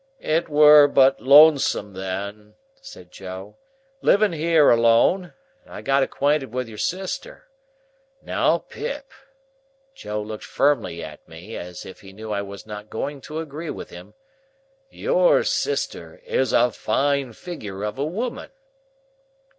"It were but lonesome then," said Joe, "living here alone, and I got acquainted with your sister. Now, Pip,"—Joe looked firmly at me as if he knew I was not going to agree with him;—"your sister is a fine figure of a woman."